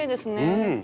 うん！